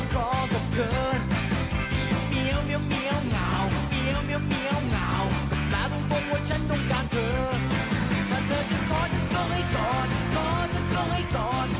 ขอฉันต้องให้กอดขอฉันต้องให้กอด